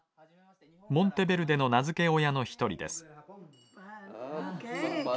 モンテベルデの名付け親の一人です。